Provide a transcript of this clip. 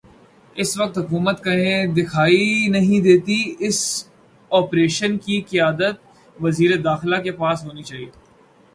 اس وقت حکومت کہیں دکھائی نہیں دیتی اس آپریشن کی قیادت وزیر داخلہ کے پاس ہونی چاہیے۔